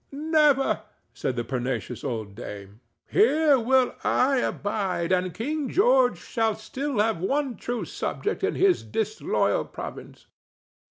never!" said the pertinacious old dame. "Here will I abide, and King George shall still have one true subject in his disloyal province."